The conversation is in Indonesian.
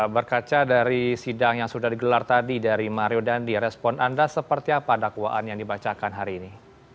berkaca dari sidang yang sudah digelar tadi dari mario dandi respon anda seperti apa dakwaan yang dibacakan hari ini